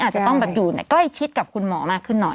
อาจจะต้องอยู่ใกล้ชิดกับคุณหมอมากขึ้นหน่อย